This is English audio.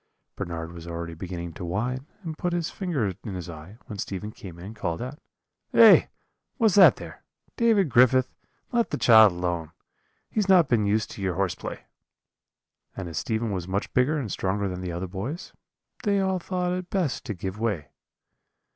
"Bernard was already beginning to whine and put his finger in his eye, when Stephen came in and called out: "'Eh, what's that there? David Griffith, let the child alone; he has not been used to your horseplay.' "And as Stephen was much bigger and stronger than the other boys, they all thought it best to give way.